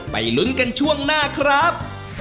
ลุ้นกันช่วงหน้าครับ